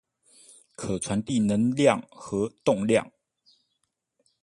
可傳遞能量和動量